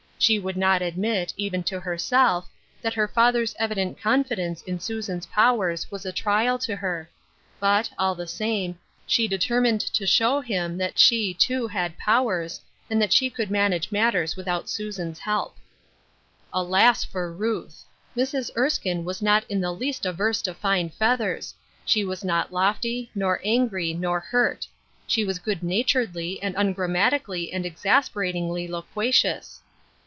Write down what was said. She would not admit, even to herself, that her father's evident confi dence in Susan's powers was a trial to her ; but, All thf! same, she determined to show him that 60 Ruth Erskines Crosses. she, too. had powers, and that she could manage matters without Susan's help. Alas for Ruth ! Mrs. Erskine was not in the least averse to fine feathers. She was not lofty^ nor angry, nor hurt ; she was good naturedly and ungrammatically and exasperatingly loqua cious.